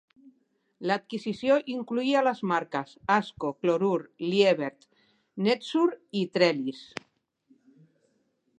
L'adquisició incloïa les marques: ASCO, clorur, Liebert, Netsure, i Trellis.